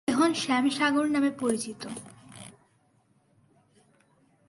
যে পুকুর এখন স্যাম সাগর নামে পরিচিত।